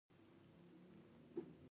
پښتو نه شم لوستلی.